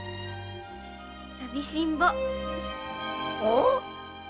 さびしんぼう。